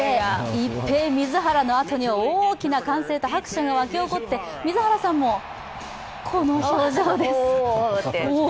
イッペイ・ミズハラのあとには大きな歓声と拍手が湧き起こって、水原さんも、この表情です。